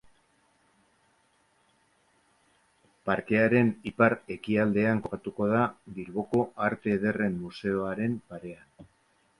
Parkearen ipar-ekialdean kokatuko da, Bilboko Arte Ederren Museoaren parean.